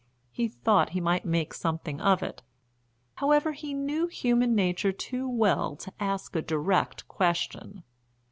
He thought he might make something of it. However, he knew human nature too well to ask a direct question.